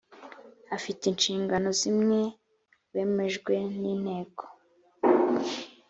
afite inshingano zimwe wemejwe n inteko